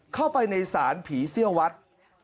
เข้าไปในศาลผีเซี่ยววัด